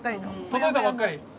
届いたばっかり。